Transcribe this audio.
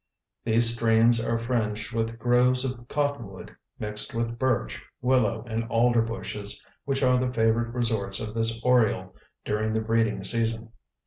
These streams are fringed with groves of cottonwood, mixed with birch, willow and alder bushes, which are the favorite resorts of this Oriole during the breeding season.